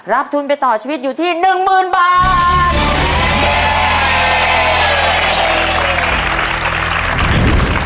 ทุนไปต่อชีวิตอยู่ที่๑๐๐๐บาท